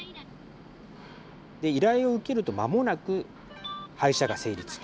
依頼を受けるとまもなく配車が成立。